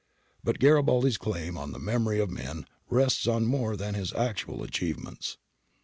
But Garibaldi's claim on the memory of men rests on more than his actual achievements.